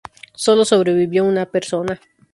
Solo sobrevivió una persona.